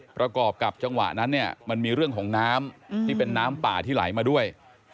ประกอบกับจังหวะนั้นเนี่ยมันมีเรื่องของน้ำที่เป็นน้ำป่าที่ไหลมาด้วย